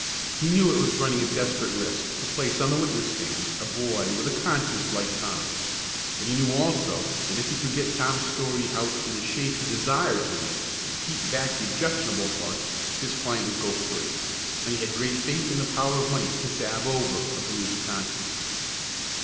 He knew it was running a desperate risk to place on the witness stand a boy with a conscience like Tom's; but he knew, also, that if he could get Tom's story out in the shape he desired to, and keep back the objectionable parts, his client would go free; and he had great faith in the power of money to salve over a bruised conscience.